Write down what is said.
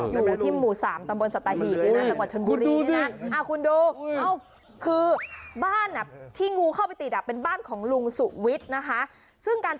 อยู่ที่หมู่๓ตำบลสตาหีพหรือละกว่าชนบุรีนี่นะ